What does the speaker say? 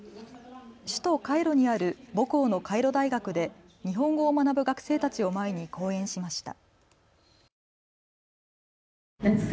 首都・カイロにある母校のカイロ大学で日本を学ぶ学生たちを前に講演しました。